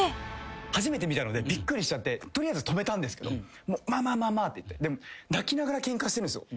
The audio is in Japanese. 初めて見たのでびっくりしちゃって取りあえず止めたんですけどまあまあまあって言って泣きながらケンカしてるんすよ。